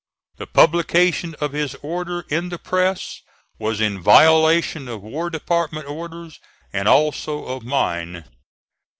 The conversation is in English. The publication of his order in the press was in violation of War Department orders and also of mine.